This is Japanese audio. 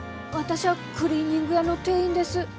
私ゃあクリーニング屋の店員です。